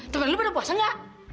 temen lu pada puasa gak